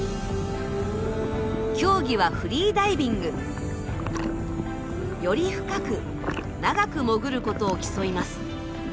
競技はフリーダイビング。より深く長く潜ることを競います。